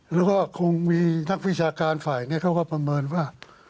แล้วก็คงมีนักวิชาการฝ่ายนี้เขาก็ประเมินว่า